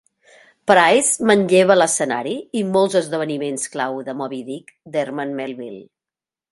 Price manlleva l'escenari i molts esdeveniments clau de "Moby-Dick" d'Herman Melville.